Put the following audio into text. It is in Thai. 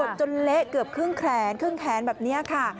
จนเละเกือบครึ่งแขนครึ่งแขนแบบนี้ค่ะ